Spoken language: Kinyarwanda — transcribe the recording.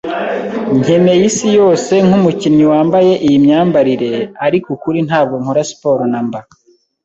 nkeneye isi yose nkumukinnyi wambaye iyi myambarire, ariko ukuri ntabwo nkora siporo namba